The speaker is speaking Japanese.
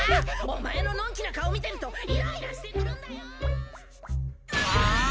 お前ののんきな顔見てるとイライラしてくるんだよ！